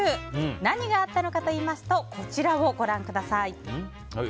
何があったのかといいますとこちらをご覧ください。